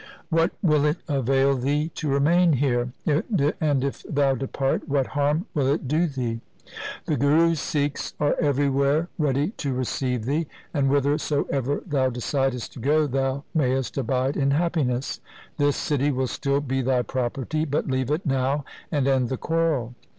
What will it avail thee to remain here; and if thou depart what harm will it do thee ? The Guru's Sikhs are everywhere ready to receive thee, and, whithersoever thou decidest to go, thou may est abide in happiness. This city will still be thy property, but leave it now and end the quarrel.